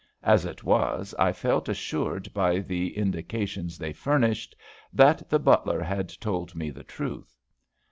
As it was, I felt assured by the indications they furnished, that the butler had told me the truth.